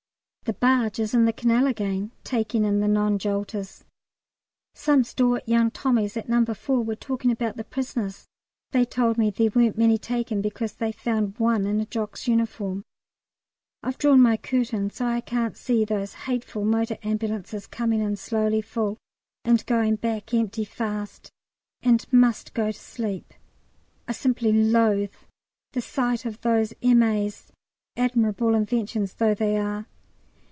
The barge is in the canal again taking in the non jolters. Some stalwart young Tommies at No. 4 were talking about the prisoners. They told me there weren't many taken, because they found one in a Jock's uniform. I've drawn my curtain so that I can't see those hateful motor ambulances coming in slowly full, and going back empty fast, and must go to sleep. I simply loathe the sight of those M.A.'s, admirable inventions though they are.